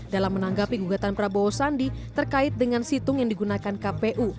dalam menanggapi gugatan prabowo sandi terkait dengan situng yang digunakan kpu